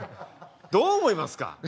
どう思いますか？